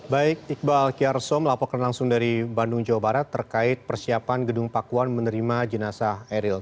baik iqbal kiarso melaporkan langsung dari bandung jawa barat terkait persiapan gedung pakuan menerima jenazah eril